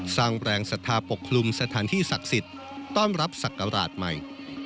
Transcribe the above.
สร้างแรงศรัทธาปกคลุมสถานที่ศักดิ์สิทธิ์ต้อนรับศักราชใหม่